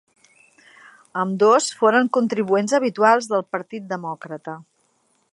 Ambdós foren contribuents habituals del Partit Demòcrata.